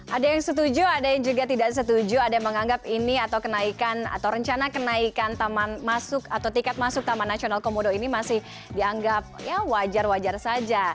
ada yang setuju ada yang juga tidak setuju ada yang menganggap ini atau kenaikan atau rencana kenaikan taman masuk atau tiket masuk taman nasional komodo ini masih dianggap ya wajar wajar saja